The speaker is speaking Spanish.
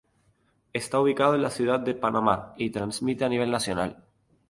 Esta ubicado en Ciudad de Panamá y transmite a nivel nacional.